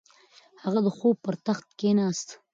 هغه د خوب پر تخت کیناست.